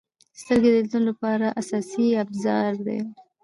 • سترګې د لیدلو لپاره اساسي ابزار دي.